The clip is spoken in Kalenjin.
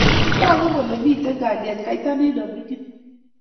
togu kule mito kaliet kaita nino mining'